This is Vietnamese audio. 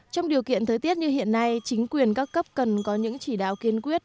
trong điều kiện thời tiết như hiện nay chính quyền các cấp cần có những chỉ đạo kiên quyết